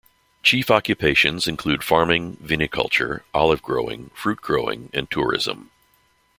Chief occupations include farming, viniculture, olive growing, fruit growing and tourism.